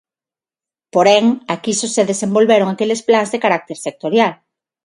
Porén, aquí só se desenvolveron aqueles plans de carácter sectorial.